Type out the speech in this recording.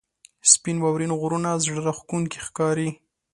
• سپین واورین غرونه زړه راښکونکي ښکاري.